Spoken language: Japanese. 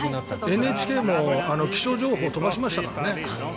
ＮＨＫも気象情報飛ばしましたからね。